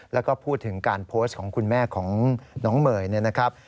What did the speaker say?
แล้วก็พูดถึงการโพสต์ของคุณแม่ของน้องเมย์เนี่ยนะครับ